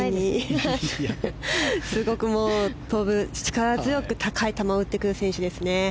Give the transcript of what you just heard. すごく力強く高い球を打ってくる選手です。